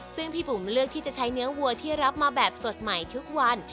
ซึ่งพี่บุ๋มเลือกที่จะใช้เนื้อวัวที่รับมาแบบสดใหม่ทุกวัน